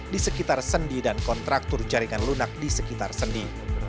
di sekitar sendi dan kontraktor jaringan lunak di sekitar sendi